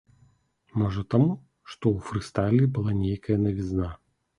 Можа таму, што ў фрыстайле была нейкая навізна.